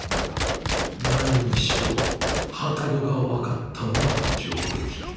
何にしろ旅籠が分かったのは上出来。